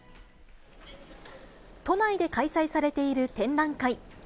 都内で開催されている展覧会。